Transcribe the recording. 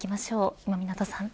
今湊さん。